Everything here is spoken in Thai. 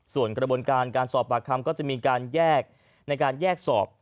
ส่วนกระบวนการการสอบปากคำก็จะมีการแยกในการแยกสอบ